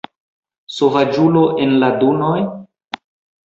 Sovaĝulo en la dunoj!?